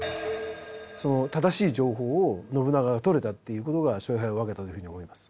その正しい情報を信長が取れたっていうことが勝敗を分けたというふうに思います。